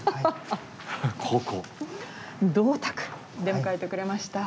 銅鐸出迎えてくれました。